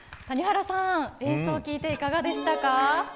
谷原さん、演奏を聴いていかがでしたか。